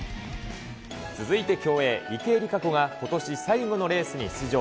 続いて競泳、池江璃花子が、ことし最後のレースに出場。